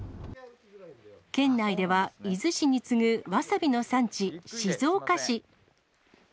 県内では伊豆市に次ぐわさびの産地、静岡市。